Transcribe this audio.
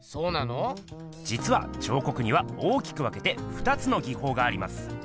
じつは彫刻には大きく分けてふたつの技法があります。